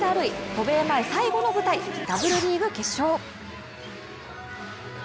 渡米前最後の舞台、Ｗリーグ決勝。